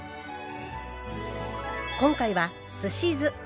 今回はすし酢。